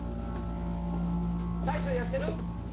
大将やってる？